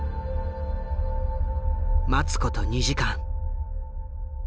待つこと２時間。